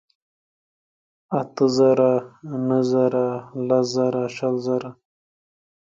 اتۀ زره ، نهه زره لس ژره شل زره